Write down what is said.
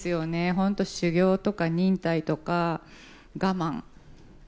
本当、修行とか忍耐とか我慢。